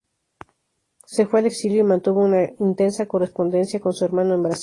Se fue al exilio y mantuvo una intensa correspondencia con su hermano en Brasil.